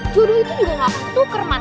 jodoh itu juga ga akan ketuker man